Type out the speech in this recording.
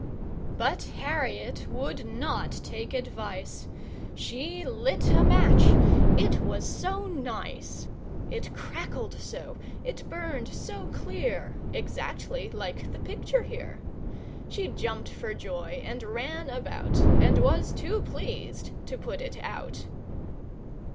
But Harriet would not take advice: She lit a match, it was so nice! It crackled so, it burned so clear Exactly like the picture here. She jumped for joy and ran about And was too pleased to put it out.